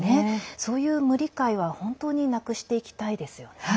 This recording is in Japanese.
そういう無理解は本当になくしていきたいですよね。